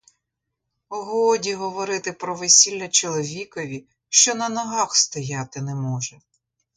Годі говорити про весілля чоловікові, що на ногах стояти не може.